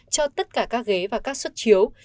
cho tất cả các ghế và các xuất chiếu